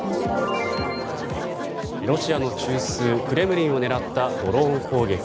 ロシアの中枢クレムリンを狙ったドローン攻撃。